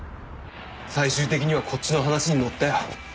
最終的にはこっちの話に乗ったよ。